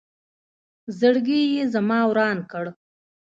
زړګې یې زما وران کړ